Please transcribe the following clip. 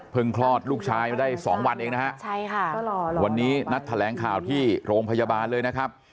เพิ่งคลอดลูกชายมาได้๒วันเองนะครับวันนี้นัดแถลงข่าวที่โรงพยาบาลเลยนะครับ